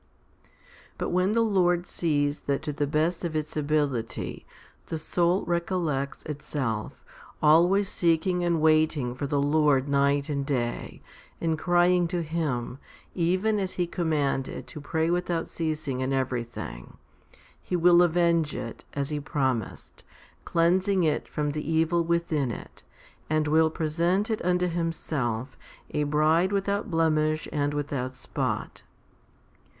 4. But when the Lord sees that to the best of its ability the soul recollects itself, always seeking and waiting for the Lord night and day, and crying to Him, even as He com manded to pray without ceasing in everything, 2 He will avenge it, as He promised, 3 cleansing it from the evil within it, and will present it unto Himself a bride without blemish and without spot.